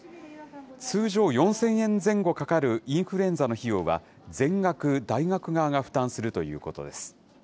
通常、４０００円前後かかるインフルエンザの費用は、全額大学側が負担するということです。